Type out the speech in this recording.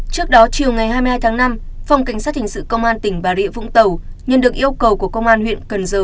trước đó chiều ngày hai mươi hai tháng năm phòng cảnh sát hình sự công an tỉnh bà rịa vũng tàu nhận được yêu cầu của công an huyện cần giờ